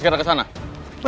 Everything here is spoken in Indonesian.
tidak ada yang menjaga